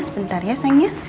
sebentar ya sayangnya